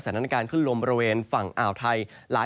ก็จะมีการแผ่ลงมาแตะบ้างนะครับ